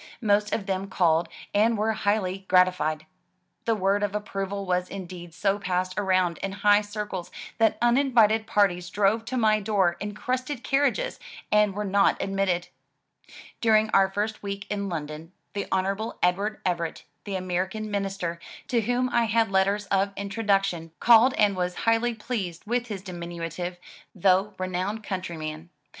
Most of them called and were highly gratified. The word of approval was indeed so passed around in high circles, that uninvited parties drove to my door in crested carriages and were not admitted. During our first week in London, the Hon. Edward Everett, the American minister, to whom I had letters of introduction, called and was highly pleased with his diminutive, though re nowned countryman.